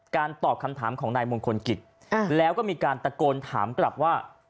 ตอบคำถามของนายมงคลกิจแล้วก็มีการตะโกนถามกลับว่า